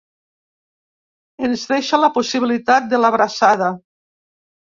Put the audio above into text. Ens deixa la possibilitat de l'abraçada.